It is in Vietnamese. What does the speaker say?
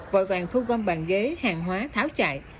vòi vàng thu gom bàn ghế hàng hóa tháo chạy